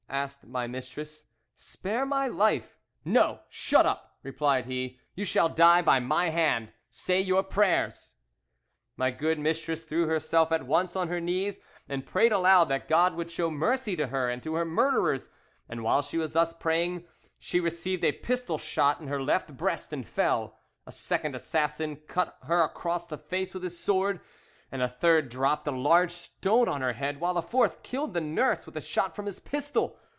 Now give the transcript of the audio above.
asked my mistress. 'Spare my life.'—'No; shut up!' replied he. 'You shall die by my hand. Say your prayers.' My good mistress threw herself at once on her knees and prayed aloud that God would show mercy to her and to her murderers, and while she was thus praying she received a pistol shot in her left breast, and fell; a second assassin cut her across the face with his sword, and a third dropped a large stone on her head, while the fourth killed the nurse with a shot from his pistol.